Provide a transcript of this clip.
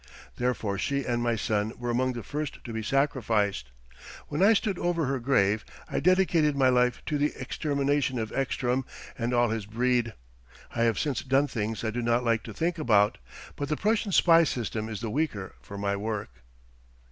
Therefore she and my son were among the first to be sacrificed.... When I stood over her grave I dedicated my life to the extermination of Ekstrom and all his breed. I have since done things I do not like to think about. But the Prussian spy system is the weaker for my work....